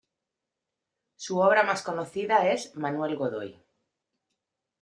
Su obra más conocida es "Manuel Godoy.